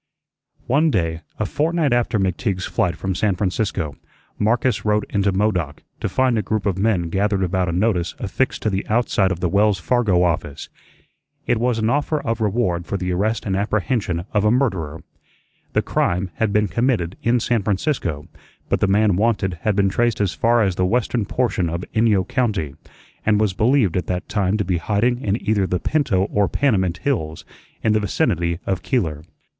One day, a fortnight after McTeague's flight from San Francisco, Marcus rode into Modoc, to find a group of men gathered about a notice affixed to the outside of the Wells Fargo office. It was an offer of reward for the arrest and apprehension of a murderer. The crime had been committed in San Francisco, but the man wanted had been traced as far as the western portion of Inyo County, and was believed at that time to be in hiding in either the Pinto or Panamint hills, in the vicinity of Keeler.